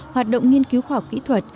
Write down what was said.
hoạt động nghiên cứu khoa học kỹ thuật